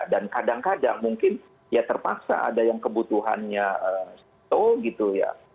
dan kadang kadang mungkin ya terpaksa ada yang kebutuhannya satu gitu ya